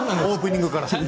オープニングから。